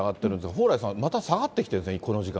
蓬莱さん、また下がってきてるんですね、この時間。